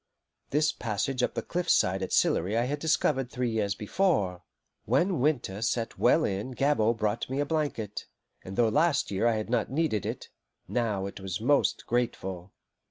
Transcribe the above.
This passage up the cliff side at Sillery I had discovered three years before. When winter set well in Gabord brought me a blanket, and though last year I had not needed it, now it was most grateful.